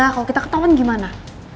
kalau kita ketauan gimana